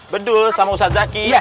bedul sama ustad zaky